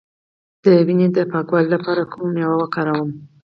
د وینې د پاکوالي لپاره کومه میوه وکاروم؟